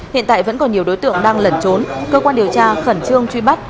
hiện tại vẫn còn nhiều đối tượng đang lẩn trốn cơ quan điều tra khẩn trương truy bắt